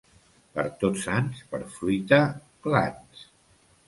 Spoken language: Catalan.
Per Tots Sants, per fruita, glans.